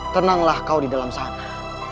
tenanglah kau di dalam sana